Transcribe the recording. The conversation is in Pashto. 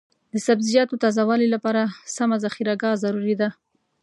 د سبزیجاتو تازه والي لپاره سمه ذخیره ګاه ضروري ده.